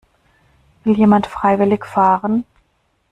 Will jemand freiwillig fahren?